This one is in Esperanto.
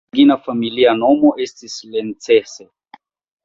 Ŝia origina familia nomo estis "Lencse".